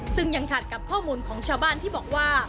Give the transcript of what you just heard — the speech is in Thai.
ซึ่งยังขัดกับข้อมูลของชาวบ้านที่บอกว่า